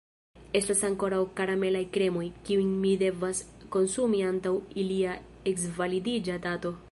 Estas ankoraŭ karamelaj kremoj, kiujn mi devas konsumi antaŭ ilia eksvalidiĝa dato.